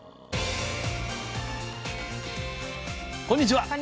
こんにちは。